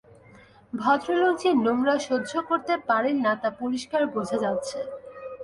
ভদ্রলোক যে নোংরা সহ্য করতে পারেন না, তা পরিষ্কার বোঝা যাচ্ছে।